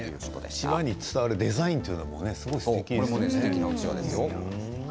千葉に伝わるデザインというのも、すごいすてきですね。